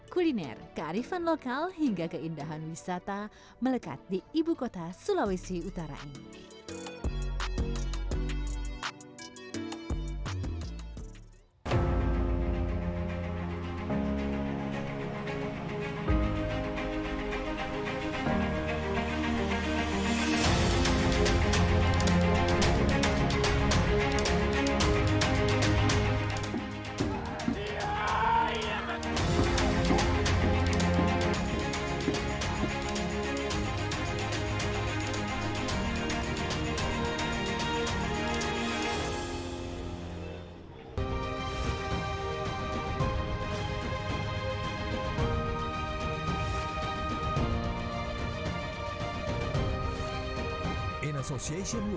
kuliner karifan lokal hingga keindahan wisata melekat di ibu kota sulawesi utara ini